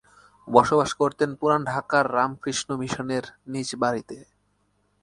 বসবাস করতেন পুরান ঢাকার রামকৃষ্ণ মিশনের নিজ বাড়িতে।